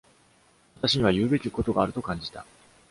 私には言うべきことがあると感じた。